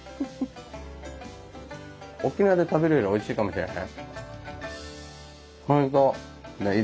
沖縄で食べるよりおいしいかもしれない。